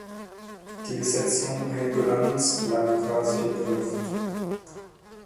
Die Besetzung Helgolands lag quasi in der Luft.